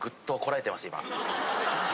今。